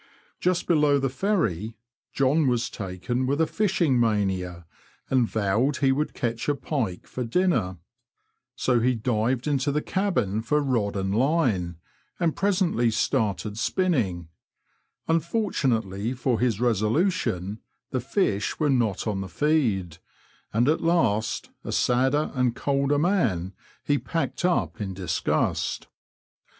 Just below the ferry, John was taken with a fishing mania, and vowed he would catch a pike for dinner. So he dived into the cabin for rod and line, and presently started spinning. Unfortunately for his resolution, the fish were Digitized by VjOOQIC 12 BEOADS AND RIVERS OF NORFOLK AND SUFFOLK. not on the feed, and at last, a sadder and colder man, he packed up in disgust.